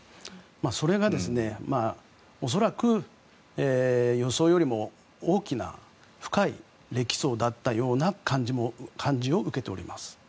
それが、恐らく予想よりも大きな深い礫層だった感じを受けています。